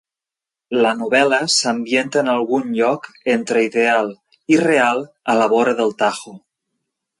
La novel·la s'ambienta en algun lloc —entre ideal i real— a la vora del Tajo.